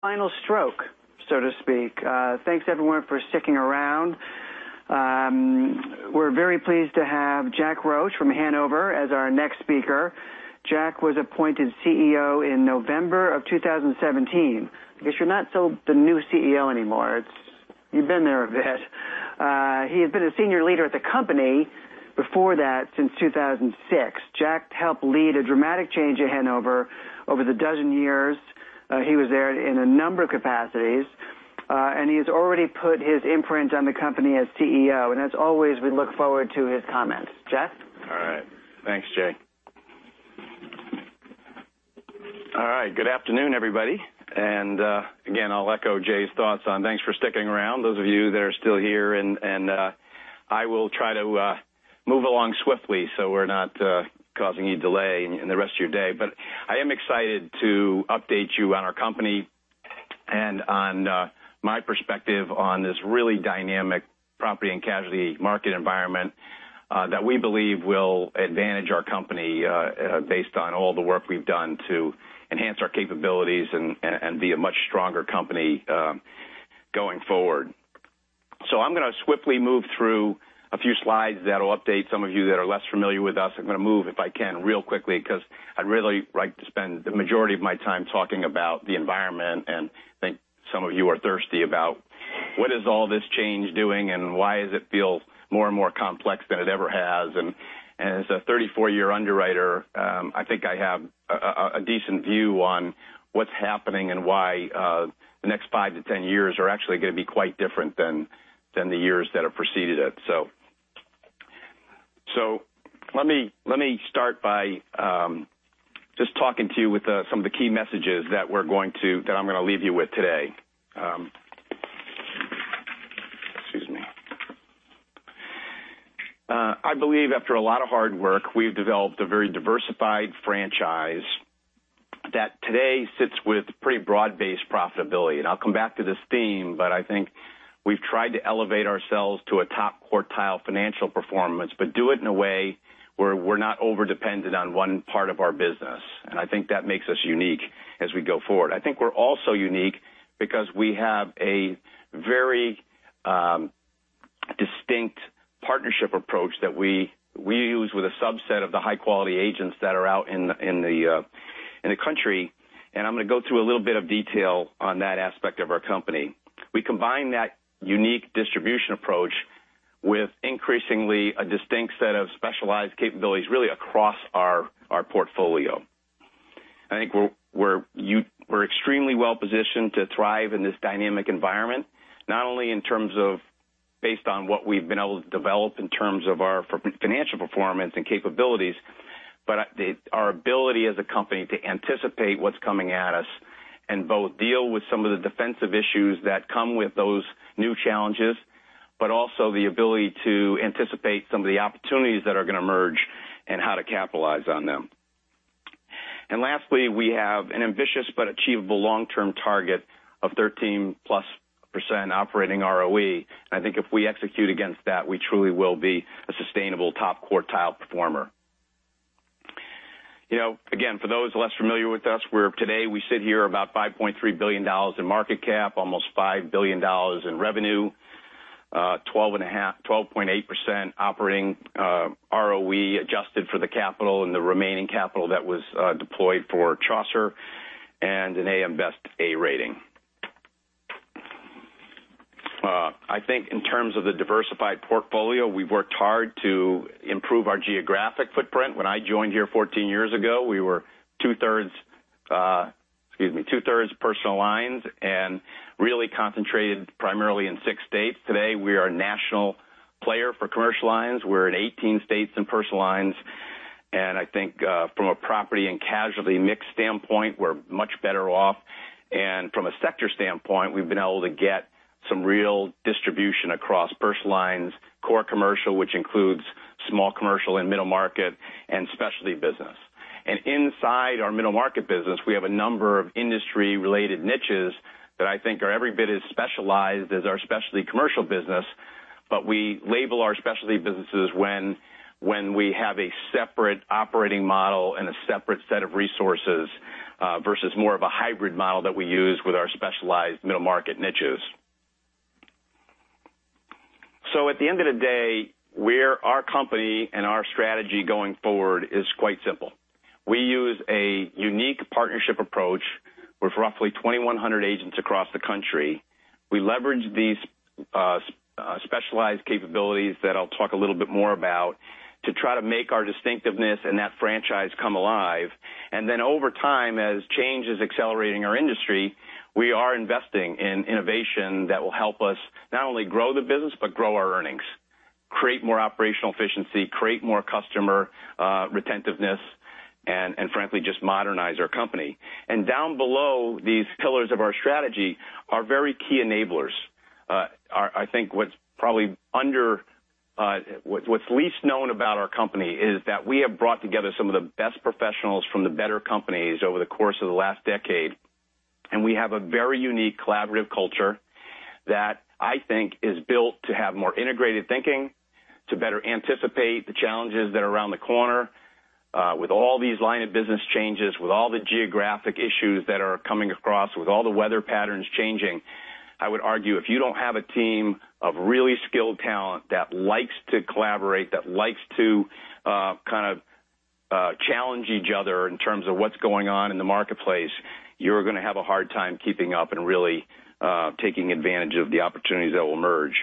Final stroke, so to speak. Thanks everyone for sticking around. We're very pleased to have Jack Roche from Hanover as our next speaker. Jack was appointed CEO in November of 2017. I guess you're not so the new CEO anymore. You've been there a bit. He has been a senior leader at the company before that since 2006. Jack helped lead a dramatic change at Hanover over the dozen years he was there in a number of capacities. He has already put his imprint on the company as CEO, and as always, we look forward to his comments. Jack? All right. Thanks, Jay. All right. Good afternoon, everybody. Again, I'll echo Jay's thoughts on thanks for sticking around, those of you that are still here, and I will try to move along swiftly so we're not causing any delay in the rest of your day. I am excited to update you on our company and on my perspective on this really dynamic property and casualty market environment that we believe will advantage our company, based on all the work we've done to enhance our capabilities and be a much stronger company going forward. I'm going to swiftly move through a few slides that'll update some of you that are less familiar with us. I'm going to move, if I can, real quickly because I'd really like to spend the majority of my time talking about the environment, and I think some of you are thirsty about what is all this change doing and why does it feel more and more complex than it ever has. As a 34-year underwriter, I think I have a decent view on what's happening and why the next five to 10 years are actually going to be quite different than the years that have preceded it. Let me start by just talking to you with some of the key messages that I'm going to leave you with today. Excuse me. I believe after a lot of hard work, we've developed a very diversified franchise that today sits with pretty broad-based profitability. I'll come back to this theme, but I think we've tried to elevate ourselves to a top quartile financial performance, but do it in a way where we're not over-dependent on one part of our business. I think that makes us unique as we go forward. I think we're also unique because we have a very distinct partnership approach that we use with a subset of the high-quality agents that are out in the country. I'm going to go through a little bit of detail on that aspect of our company. We combine that unique distribution approach with increasingly a distinct set of specialized capabilities, really across our portfolio. I think we're extremely well-positioned to thrive in this dynamic environment, not only in terms of based on what we've been able to develop in terms of our financial performance and capabilities, but our ability as a company to anticipate what's coming at us and both deal with some of the defensive issues that come with those new challenges, but also the ability to anticipate some of the opportunities that are going to emerge and how to capitalize on them. Lastly, we have an ambitious but achievable long-term target of 13+% Operating ROE. I think if we execute against that, we truly will be a sustainable top quartile performer. Again, for those less familiar with us, today we sit here about $5.3 billion in market cap, almost $5 billion in revenue, 12.8% Operating ROE adjusted for the capital and the remaining capital that was deployed for Chaucer, and an AM Best A rating. I think in terms of the diversified portfolio, we've worked hard to improve our geographic footprint. When I joined here 14 years ago, we were two-thirds Personal Lines and really concentrated primarily in six states. Today, we are a national player for Core Commercial. We're in 18 states in Personal Lines, and I think from a property and casualty mix standpoint, we're much better off. From a sector standpoint, we've been able to get some real distribution across Personal Lines, Core Commercial, which includes small commercial and middle market, and specialty business. Inside our middle market business, we have a number of industry-related niches that I think are every bit as specialized as our specialty commercial business, but we label our specialty businesses when we have a separate operating model and a separate set of resources versus more of a hybrid model that we use with our specialized middle market niches. At the end of the day, our company and our strategy going forward is quite simple. We use a unique partnership approach with roughly 2,100 agents across the country. We leverage these specialized capabilities that I'll talk a little bit more about to try to make our distinctiveness and that franchise come alive. Over time, as change is accelerating our industry, we are investing in innovation that will help us not only grow the business but grow our earnings, create more operational efficiency, create more customer retentiveness, and frankly, just modernize our company. Down below these pillars of our strategy are very key enablers. I think what's least known about our company is that we have brought together some of the best professionals from the better companies over the course of the last decade, and we have a very unique collaborative culture That I think is built to have more integrated thinking, to better anticipate the challenges that are around the corner, with all these line of business changes, with all the geographic issues that are coming across, with all the weather patterns changing. I would argue, if you don't have a team of really skilled talent that likes to collaborate, that likes to challenge each other in terms of what's going on in the marketplace, you're going to have a hard time keeping up and really taking advantage of the opportunities that will emerge.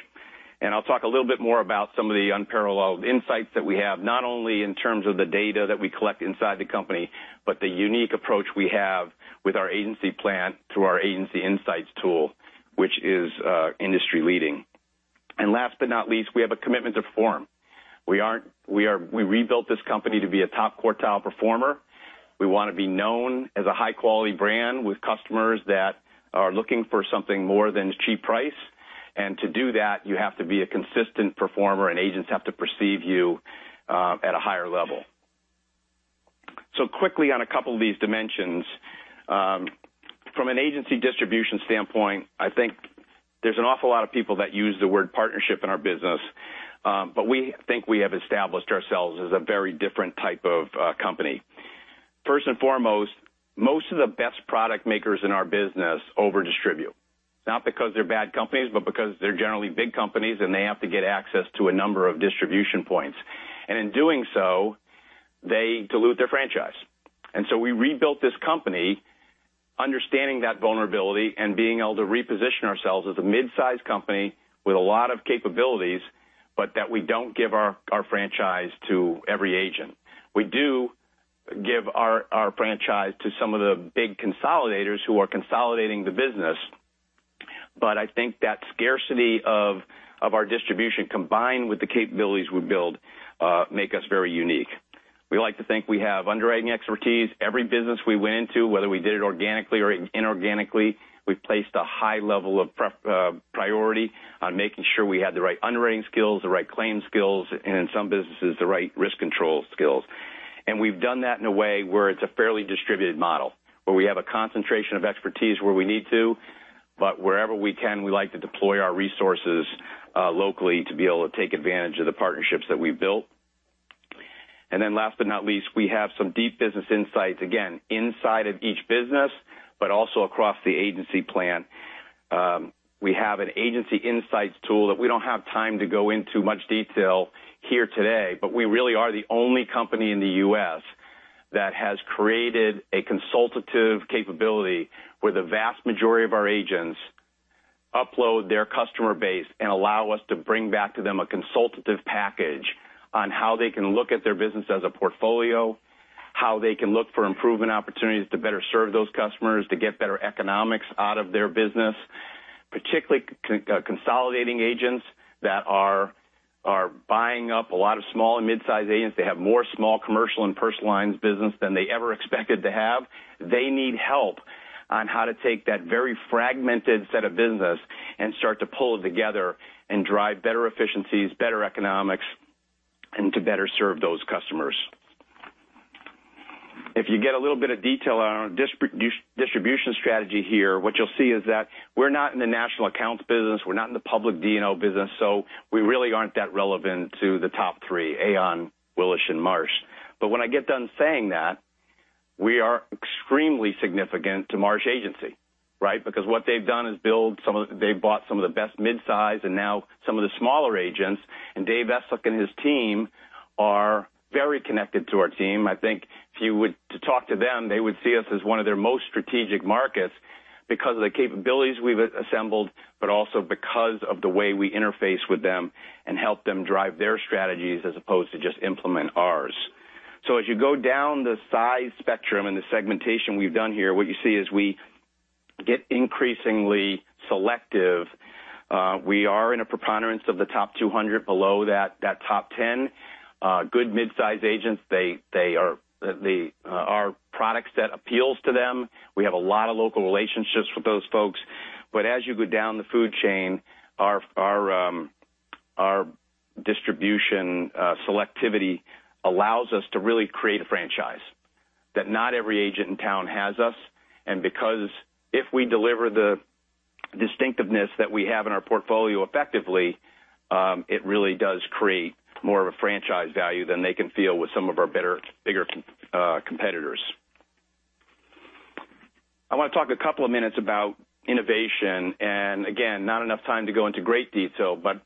I'll talk a little bit more about some of the unparalleled insights that we have, not only in terms of the data that we collect inside the company, but the unique approach we have with our agency plan through our Agency Insights tool, which is industry-leading. Last but not least, we have a commitment to perform. We rebuilt this company to be a top quartile performer. We want to be known as a high-quality brand with customers that are looking for something more than cheap price. To do that, you have to be a consistent performer, and agents have to perceive you at a higher level. Quickly on a couple of these dimensions. From an agency distribution standpoint, I think there's an awful lot of people that use the word partnership in our business, but we think we have established ourselves as a very different type of company. First and foremost, most of the best product makers in our business over-distribute, not because they're bad companies, but because they're generally big companies, and they have to get access to a number of distribution points. In doing so, they dilute their franchise. We rebuilt this company understanding that vulnerability and being able to reposition ourselves as a mid-size company with a lot of capabilities, but that we don't give our franchise to every agent. We do give our franchise to some of the big consolidators who are consolidating the business, I think that scarcity of our distribution, combined with the capabilities we build make us very unique. We like to think we have underwriting expertise. Every business we went into, whether we did it organically or inorganically, we placed a high level of priority on making sure we had the right underwriting skills, the right claim skills, and in some businesses, the right risk control skills. We've done that in a way where it's a fairly distributed model, where we have a concentration of expertise where we need to, but wherever we can, we like to deploy our resources locally to be able to take advantage of the partnerships that we've built. Last but not least, we have some deep business insights, again, inside of each business, but also across the agency plan. We have an Agency Insights tool that we don't have time to go into much detail here today, but we really are the only company in the U.S. that has created a consultative capability where the vast majority of our agents upload their customer base and allow us to bring back to them a consultative package on how they can look at their business as a portfolio, how they can look for improvement opportunities to better serve those customers, to get better economics out of their business. Particularly consolidating agents that are buying up a lot of small and mid-size agents. They have more small commercial and Personal Lines business than they ever expected to have. They need help on how to take that very fragmented set of business and start to pull it together and drive better efficiencies, better economics, and to better serve those customers. If you get a little bit of detail on our distribution strategy here, what you'll see is that we're not in the national accounts business. We're not in the public D&O business. We really aren't that relevant to the top three, Aon, Willis, and Marsh. When I get done saying that, we are extremely significant to Marsh Agency, right? Because what they've done is they bought some of the best mid-size and now some of the smaller agents, and Dave Eslick and his team are very connected to our team. I think if you were to talk to them, they would see us as one of their most strategic markets because of the capabilities we've assembled, but also because of the way we interface with them and help them drive their strategies as opposed to just implement ours. As you go down the size spectrum and the segmentation we've done here, what you see is we get increasingly selective. We are in a preponderance of the top 200 below that top 10. Good mid-size agents, our product set appeals to them. We have a lot of local relationships with those folks. As you go down the food chain, our distribution selectivity allows us to really create a franchise that not every agent in town has us. Because if we deliver the distinctiveness that we have in our portfolio effectively, it really does create more of a franchise value than they can feel with some of our bigger competitors. I want to talk a couple of minutes about innovation, and again, not enough time to go into great detail, but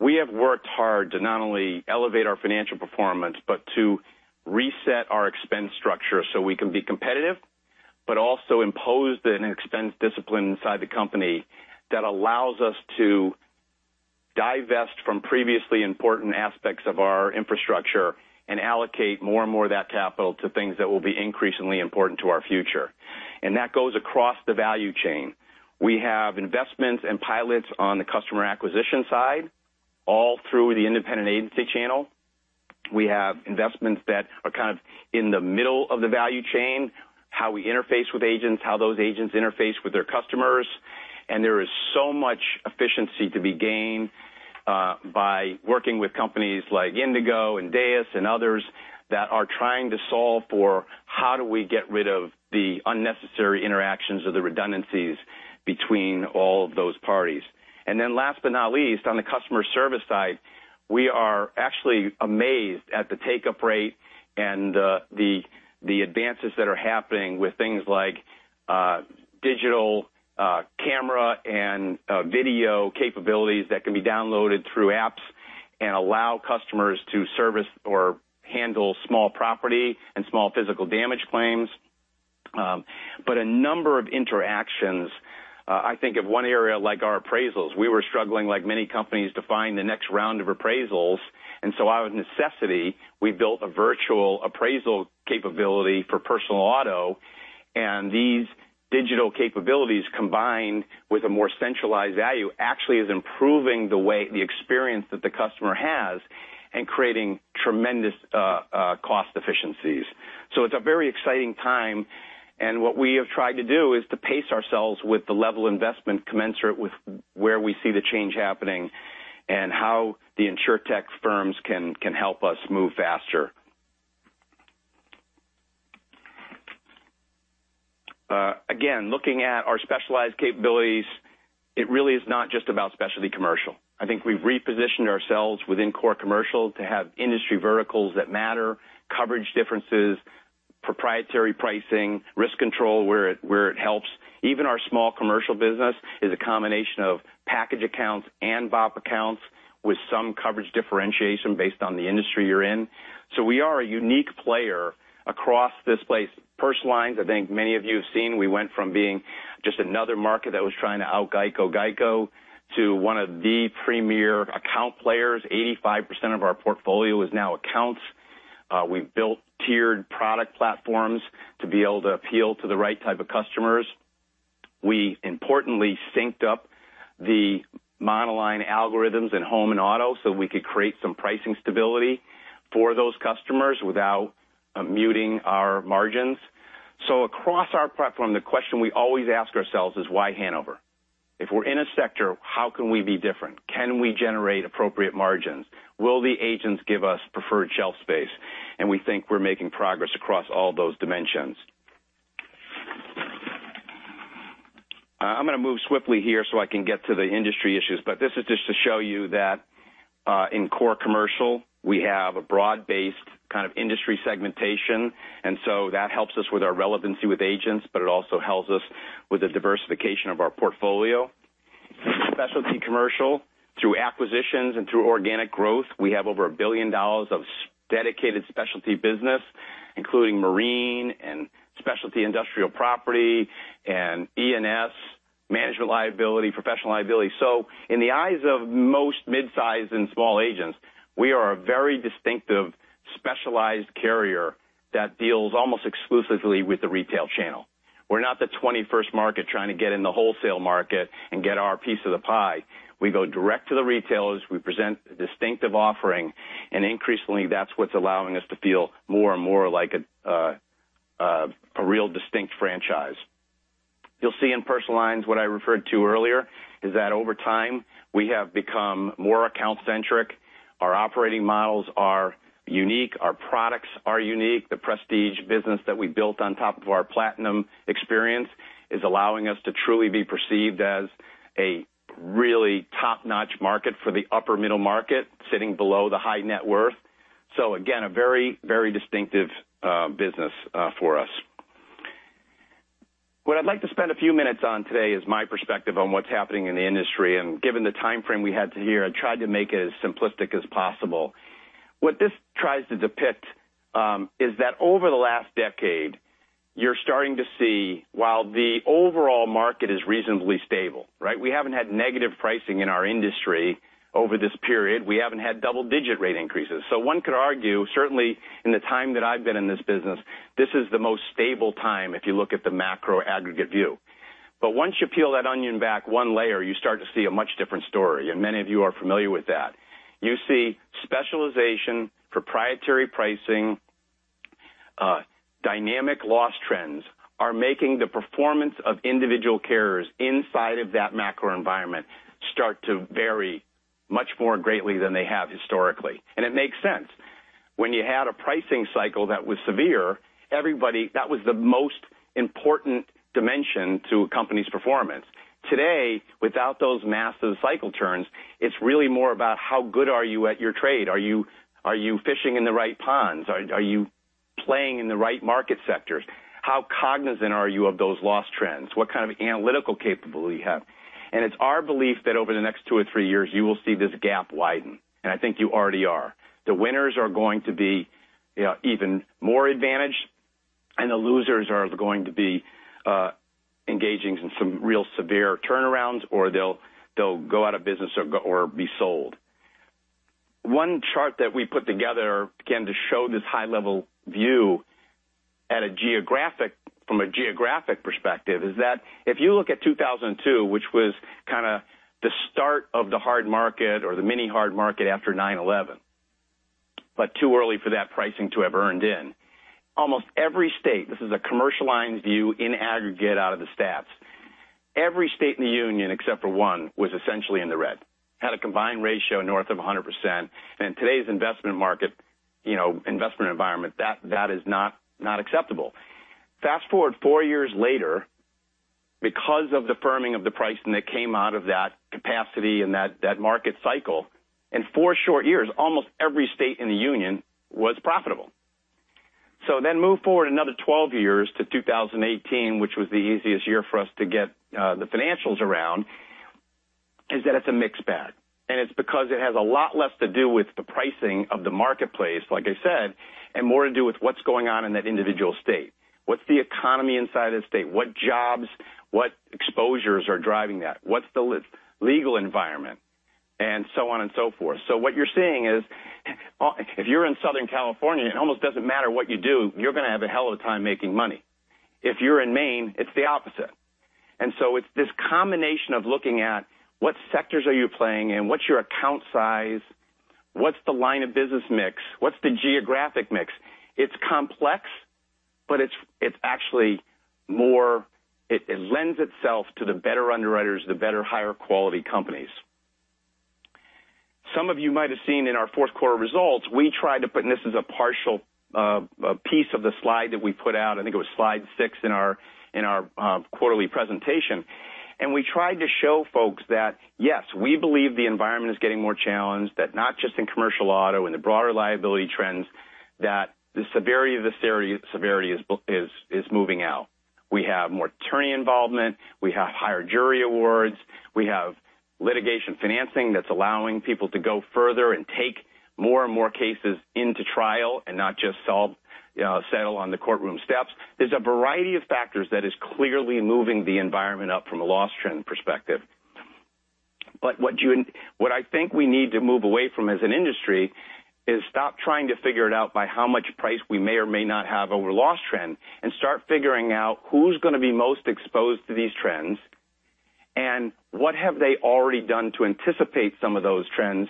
we have worked hard to not only elevate our financial performance but to reset our expense structure so we can be competitive, but also impose an expense discipline inside the company that allows us to divest from previously important aspects of our infrastructure and allocate more and more of that capital to things that will be increasingly important to our future. That goes across the value chain. We have investments and pilots on the customer acquisition side all through the independent agency channel. We have investments that are kind of in the middle of the value chain, how we interface with agents, how those agents interface with their customers, and there is so much efficiency to be gained by working with companies like Indigo and DAIS and others that are trying to solve for how do we get rid of the unnecessary interactions or the redundancies between all of those parties. Last but not least, on the customer service side, we are actually amazed at the take-up rate and the advances that are happening with things like digital camera and video capabilities that can be downloaded through apps and allow customers to service or handle small property and small physical damage claims. A number of interactions, I think of one area like our appraisals. We were struggling, like many companies, to find the next round of appraisals. Out of necessity, we built a virtual appraisal capability for personal auto. These digital capabilities, combined with a more centralized value, actually is improving the experience that the customer has and creating tremendous cost efficiencies. It's a very exciting time, and what we have tried to do is to pace ourselves with the level investment commensurate with where we see the change happening and how the insurtech firms can help us move faster. Again, looking at our specialized capabilities, it really is not just about Specialty Commercial. I think we've repositioned ourselves within Core Commercial to have industry verticals that matter, coverage differences, proprietary pricing, risk control where it helps. Even our small commercial business is a combination of package accounts and BOP accounts with some coverage differentiation based on the industry you're in. We are a unique player across this place. Personal Lines, I think many of you have seen we went from being just another market that was trying to out-GEICO GEICO to one of the premier account players. 85% of our portfolio is now accounts. We've built tiered product platforms to be able to appeal to the right type of customers. We importantly synced up the monoline algorithms in home and auto so we could create some pricing stability for those customers without muting our margins. Across our platform, the question we always ask ourselves is why Hanover? If we're in a sector, how can we be different? Can we generate appropriate margins? Will the agents give us preferred shelf space? We think we're making progress across all those dimensions. I'm going to move swiftly here so I can get to the industry issues. This is just to show you that in Core Commercial, we have a broad-based kind of industry segmentation, and so that helps us with our relevancy with agents, but it also helps us with the diversification of our portfolio. Specialty Commercial, through acquisitions and through organic growth, we have over $1 billion of dedicated specialty business, including Marine and specialty industrial property and E&S management liability, professional liability. In the eyes of most midsize and small agents, we are a very distinctive, specialized carrier that deals almost exclusively with the retail channel. We're not the 21st market trying to get in the wholesale market and get our piece of the pie. We go direct to the retailers. We present a distinctive offering, and increasingly, that's what's allowing us to feel more and more like a real distinct franchise. You'll see in Personal Lines what I referred to earlier is that over time, we have become more account-centric. Our operating models are unique. Our products are unique. The Prestige business that we built on top of our Platinum experience is allowing us to truly be perceived as a really top-notch market for the upper middle market, sitting below the high net worth. Again, a very distinctive business for us. What I'd like to spend a few minutes on today is my perspective on what's happening in the industry, and given the timeframe we had here, I tried to make it as simplistic as possible. What this tries to depict is that over the last decade, you're starting to see while the overall market is reasonably stable, right, we haven't had negative pricing in our industry over this period. We haven't had double-digit rate increases. One could argue, certainly in the time that I've been in this business, this is the most stable time if you look at the macro aggregate view. Once you peel that onion back one layer, you start to see a much different story, and many of you are familiar with that. You see specialization, proprietary pricing, dynamic loss trends are making the performance of individual carriers inside of that macro environment start to vary much more greatly than they have historically. It makes sense. When you had a pricing cycle that was severe, that was the most important dimension to a company's performance. Today, without those massive cycle turns, it's really more about how good are you at your trade? Are you fishing in the right ponds? Are you playing in the right market sectors? How cognizant are you of those loss trends? What kind of analytical capability you have? It's our belief that over the next two or three years, you will see this gap widen, and I think you already are. The winners are going to be even more advantaged, and the losers are going to be engaging in some real severe turnarounds, or they'll go out of business or be sold. One chart that we put together, again, to show this high-level view from a geographic perspective is that if you look at 2002, which was kind of the start of the hard market or the mini hard market after 9/11. Too early for that pricing to have earned in. Almost every state, this is a commercial lines view in aggregate out of the stats. Every state in the union except for one was essentially in the red, had a combined ratio north of 100%. In today's investment market, investment environment, that is not acceptable. Fast-forward four years later, because of the firming of the pricing that came out of that capacity and that market cycle, in four short years, almost every state in the union was profitable. Move forward another 12 years to 2018, which was the easiest year for us to get the financials around, is that it's a mixed bag. It's because it has a lot less to do with the pricing of the marketplace, like I said, and more to do with what's going on in that individual state. What's the economy inside of the state? What jobs, what exposures are driving that? What's the legal environment? And so on and so forth. What you're seeing is, if you're in Southern California, it almost doesn't matter what you do, you're going to have a hell of a time making money. If you're in Maine, it's the opposite. It's this combination of looking at what sectors are you playing in, what's your account size, what's the line of business mix, what's the geographic mix? It's complex, it lends itself to the better underwriters, the better higher quality companies. Some of you might have seen in our fourth quarter results, we tried to put, This is a partial piece of the slide that we put out, I think it was slide six in our quarterly presentation. We tried to show folks that, yes, we believe the environment is getting more challenged, that not just in commercial auto, in the broader liability trends, that the severity of the severity is moving out. We have more attorney involvement. We have higher jury awards. We have litigation financing that's allowing people to go further and take more and more cases into trial and not just settle on the courtroom steps. There's a variety of factors that is clearly moving the environment up from a loss trend perspective. What I think we need to move away from as an industry is stop trying to figure it out by how much price we may or may not have over loss trend, Start figuring out who's going to be most exposed to these trends, What have they already done to anticipate some of those trends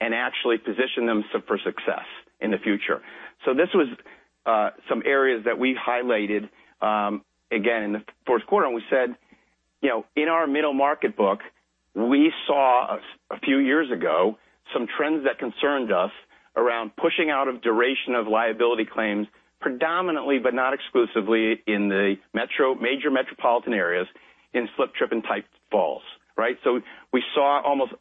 and actually position them for success in the future. This was some areas that we highlighted, again, in the fourth quarter. We said, in our middle market book, we saw a few years ago some trends that concerned us around pushing out of duration of liability claims, predominantly but not exclusively in the major metropolitan areas in slip, trip, and falls. Right? We saw almost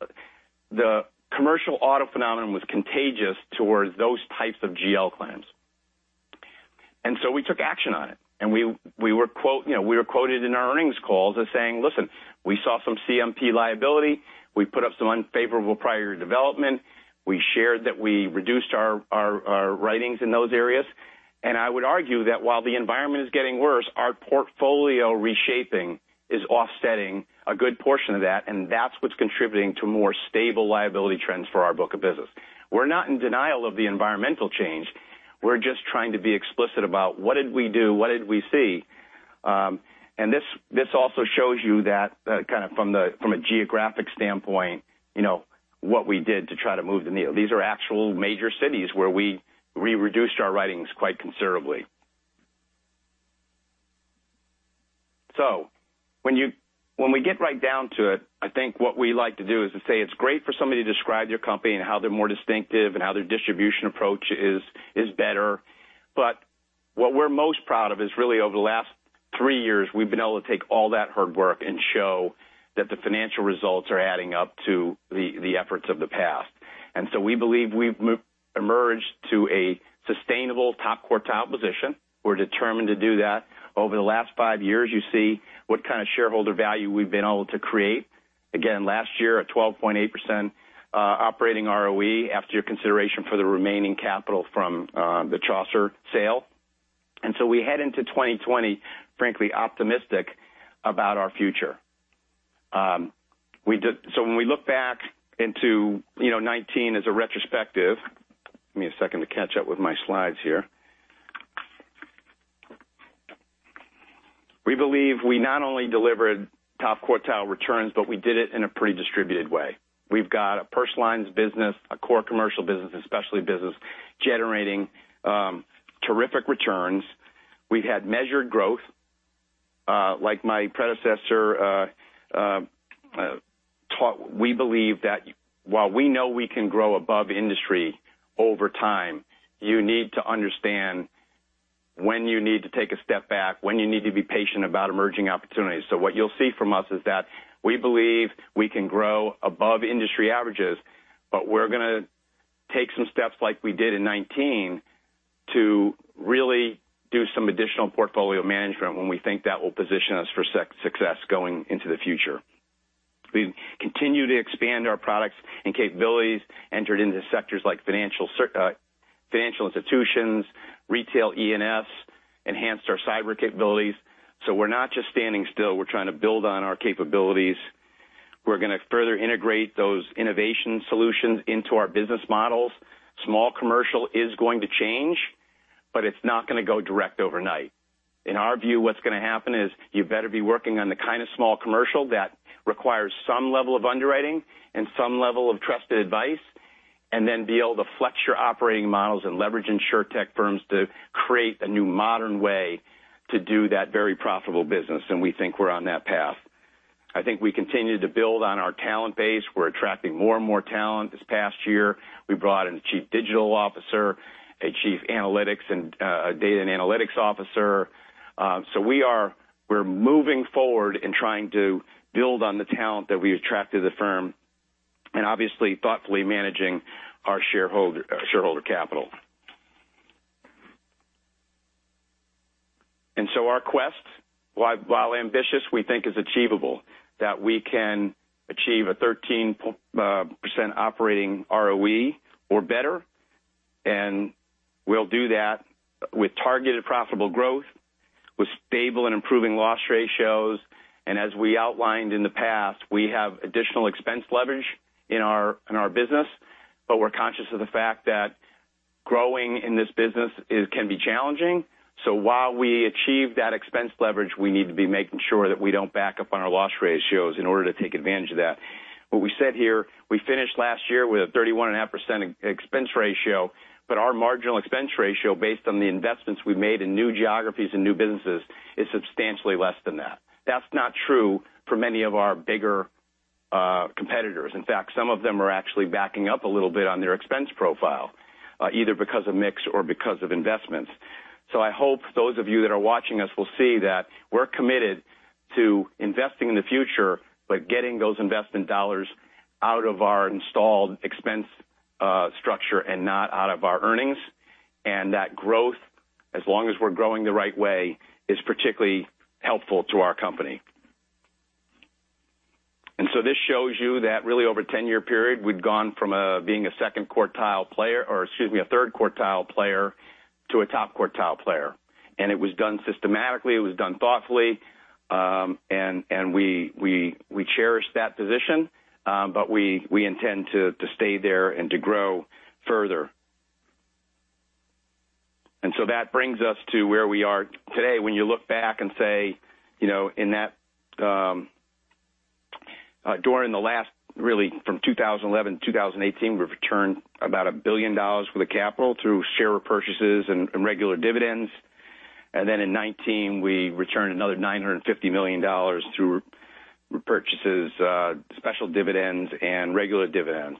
the commercial auto phenomenon was contagious towards those types of GL claims. We took action on it. We were quoted in our earnings calls as saying, "Listen, we saw some CMP liability. We put up some unfavorable prior year development. We shared that we reduced our writings in those areas." I would argue that while the environment is getting worse, our portfolio reshaping is offsetting a good portion of that, That's what's contributing to more stable liability trends for our book of business. We're not in denial of the environmental change. We're just trying to be explicit about what did we do, what did we see. This also shows you that kind of from a geographic standpoint, what we did to try to move the needle. These are actual major cities where we reduced our writings quite considerably. When we get right down to it, I think what we like to do is to say it's great for somebody to describe their company and how they're more distinctive and how their distribution approach is better. What we're most proud of is really over the last three years, we've been able to take all that hard work and show that the financial results are adding up to the efforts of the past. We believe we've emerged to a sustainable top quartile position. We're determined to do that. Over the last five years, you see what kind of shareholder value we've been able to create. Again, last year, a 12.8% operating ROE after consideration for the remaining capital from the Chaucer sale. We head into 2020, frankly, optimistic about our future. When we look back into 2019 as a retrospective, give me a second to catch up with my slides here. We believe we not only delivered top quartile returns, but we did it in a pretty distributed way. We've got a Personal Lines business, a Core Commercial business, a specialty business, generating terrific returns. We've had measured growth. Like my predecessor taught, we believe that while we know we can grow above industry over time, you need to understand when you need to take a step back, when you need to be patient about emerging opportunities. What you'll see from us is that we believe we can grow above industry averages, but we're going to take some steps like we did in 2019 to really do some additional portfolio management when we think that will position us for success going into the future. We've continued to expand our products and capabilities, entered into sectors like financial institutions, retail E&S, enhanced our cyber capabilities. We're not just standing still. We're trying to build on our capabilities. We're going to further integrate those innovation solutions into our business models. small commercial is going to change. It's not going to go direct overnight. In our view, what's going to happen is you better be working on the kind of small commercial that requires some level of underwriting and some level of trusted advice, and then be able to flex your operating models and leverage insurtech firms to create a new, modern way to do that very profitable business. We think we're on that path. I think we continue to build on our talent base. We're attracting more and more talent this past year. We brought in a chief digital officer, a chief analytics and data and analytics officer. We're moving forward in trying to build on the talent that we attract to the firm and obviously thoughtfully managing our shareholder capital. Our quest, while ambitious, we think is achievable, that we can achieve a 13% Operating ROE or better, and we'll do that with targeted profitable growth, with stable and improving loss ratios. As we outlined in the past, we have additional expense leverage in our business. We're conscious of the fact that growing in this business can be challenging. While we achieve that expense leverage, we need to be making sure that we don't back up on our loss ratios in order to take advantage of that. What we said here, we finished last year with a 31.5% expense ratio, but our marginal expense ratio, based on the investments we've made in new geographies and new businesses, is substantially less than that. That's not true for many of our bigger competitors. In fact, some of them are actually backing up a little bit on their expense profile, either because of mix or because of investments. I hope those of you that are watching us will see that we're committed to investing in the future, but getting those investment dollars out of our installed expense structure and not out of our earnings. That growth, as long as we're growing the right way, is particularly helpful to our company. This shows you that really over a 10-year period, we've gone from being a second quartile player, or excuse me, a third quartile player to a top quartile player. It was done systematically, it was done thoughtfully, and we cherish that position. We intend to stay there and to grow further. That brings us to where we are today. When you look back and say, during the last, really from 2011 to 2018, we've returned about $1 billion worth of capital through share repurchases and regular dividends. In 2019, we returned another $950 million through repurchases, special dividends, and regular dividends.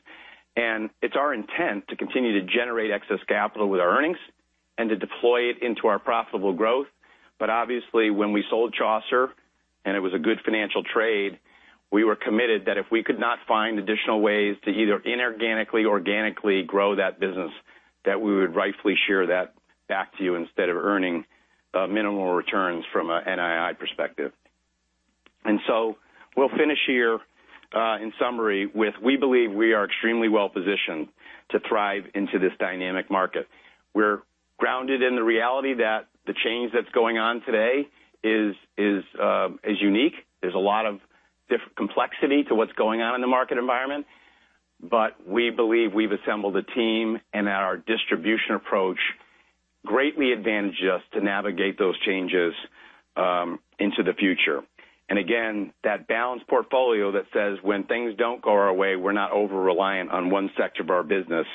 It's our intent to continue to generate excess capital with our earnings and to deploy it into our profitable growth. Obviously, when we sold Chaucer, and it was a good financial trade, we were committed that if we could not find additional ways to either inorganically, organically grow that business, that we would rightfully share that back to you instead of earning minimal returns from an NII perspective. We'll finish here, in summary, with we believe we are extremely well-positioned to thrive into this dynamic market. We're grounded in the reality that the change that's going on today is unique. There's a lot of complexity to what's going on in the market environment. We believe we've assembled a team and that our distribution approach greatly advantages us to navigate those changes into the future. Again, that balanced portfolio that says when things don't go our way, we're not over-reliant on one sector of our business.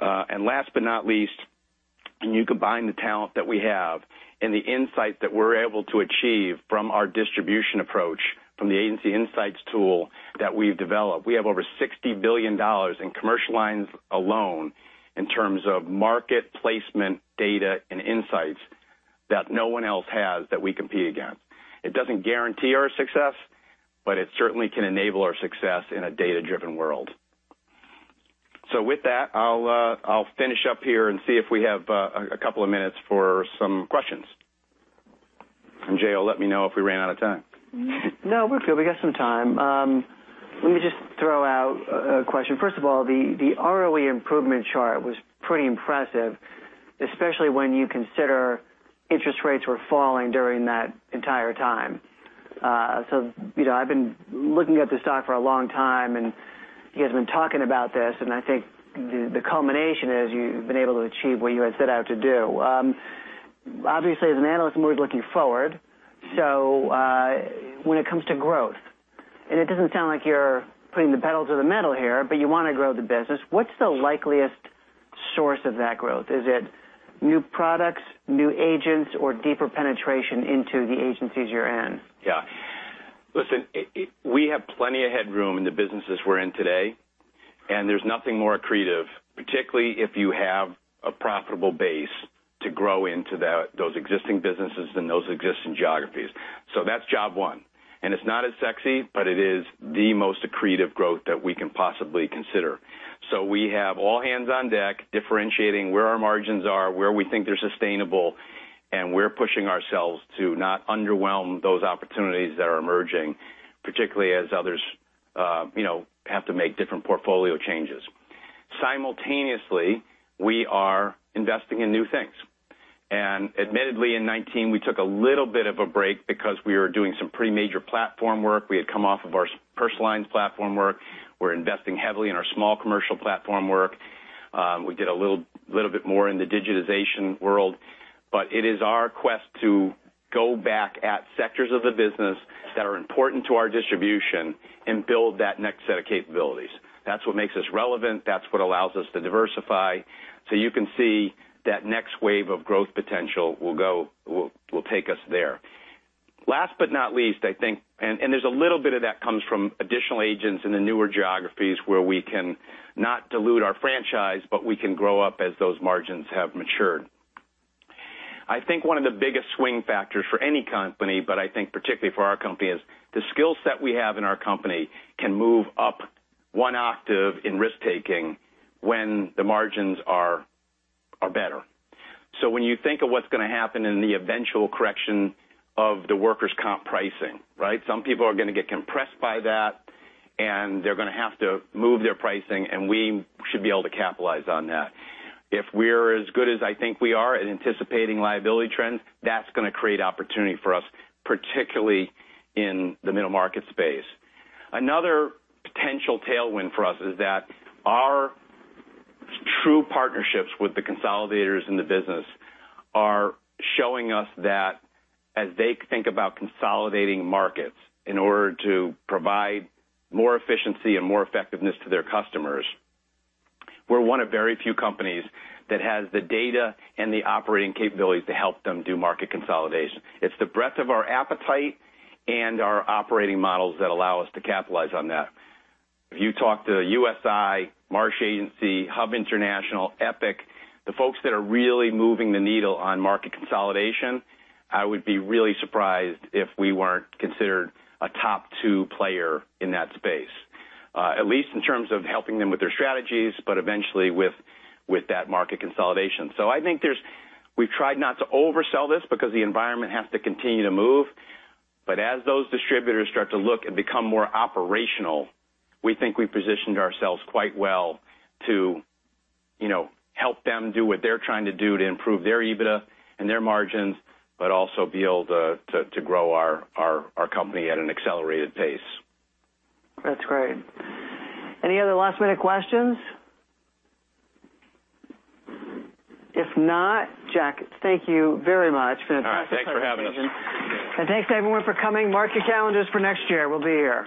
Last but not least, when you combine the talent that we have and the insight that we're able to achieve from our distribution approach, from the Agency Insights tool that we've developed. We have over $60 billion in commercial lines alone in terms of market placement data and insights that no one else has that we compete against. It doesn't guarantee our success, but it certainly can enable our success in a data-driven world. With that, I'll finish up here and see if we have a couple of minutes for some questions. Jay, let me know if we ran out of time. No, we're cool. We got some time. Let me just throw out a question. First of all, the ROE improvement chart was pretty impressive, especially when you consider interest rates were falling during that entire time. I've been looking at the stock for a long time, and you guys have been talking about this, and I think the culmination is you've been able to achieve what you had set out to do. Obviously, as an analyst, I'm always looking forward. When it comes to growth, and it doesn't sound like you're putting the pedal to the metal here, but you want to grow the business, what's the likeliest source of that growth? Is it new products, new agents, or deeper penetration into the agencies you're in? Yeah. Listen, we have plenty of headroom in the businesses we're in today, there's nothing more accretive, particularly if you have a profitable base to grow into those existing businesses and those existing geographies. That's job one. It's not as sexy, but it is the most accretive growth that we can possibly consider. We have all hands on deck differentiating where our margins are, where we think they're sustainable, and we're pushing ourselves to not underwhelm those opportunities that are emerging, particularly as others have to make different portfolio changes. Simultaneously, we are investing in new things. Admittedly, in 2019, we took a little bit of a break because we were doing some pretty major platform work. We had come off of our Personal Lines platform work. We're investing heavily in our Small Commercial platform work. We did a little bit more in the digitization world. It is our quest to go back at sectors of the business that are important to our distribution and build that next set of capabilities. That's what makes us relevant. That's what allows us to diversify. You can see that next wave of growth potential will take us there. Last but not least, I think, there's a little bit of that comes from additional agents in the newer geographies where we can not dilute our franchise, but we can grow up as those margins have matured. I think one of the biggest swing factors for any company, but I think particularly for our company, is the skill set we have in our company can move up one octave in risk-taking when the margins are better. When you think of what's going to happen in the eventual correction of the workers' comp pricing, right? Some people are going to get compressed by that, and they're going to have to move their pricing, and we should be able to capitalize on that. If we're as good as I think we are at anticipating liability trends, that's going to create opportunity for us, particularly in the middle market space. Another potential tailwind for us is that our true partnerships with the consolidators in the business are showing us that as they think about consolidating markets in order to provide more efficiency and more effectiveness to their customers, we're one of very few companies that has the data and the operating capabilities to help them do market consolidation. It's the breadth of our appetite and our operating models that allow us to capitalize on that. If you talk to USI, Marsh Agency, Hub International, Epic, the folks that are really moving the needle on market consolidation, I would be really surprised if we weren't considered a top two player in that space, at least in terms of helping them with their strategies, but eventually with that market consolidation. I think we've tried not to oversell this because the environment has to continue to move. As those distributors start to look and become more operational, we think we've positioned ourselves quite well to help them do what they're trying to do to improve their EBITDA and their margins, but also be able to grow our company at an accelerated pace. That's great. Any other last-minute questions? If not, Jack, thank you very much for the presentation. All right. Thanks for having us. Thanks, everyone, for coming. Mark your calendars for next year. We'll be here.